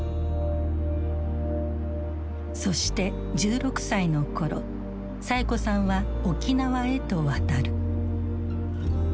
そして１６歳の頃サエ子さんは沖縄へと渡る。